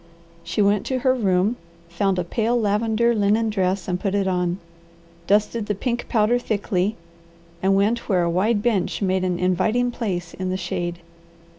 She went to her room, found a pale lavender linen dress and put it on, dusted the pink powder thickly, and went where a wide bench made an inviting place in the shade.